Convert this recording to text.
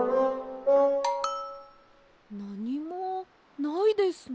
なにもないですね。